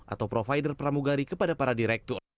atau provider pramugari kepada para direktur